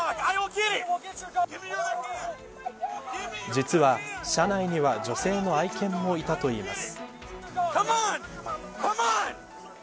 実は、車内には女性の愛犬もいたといいます。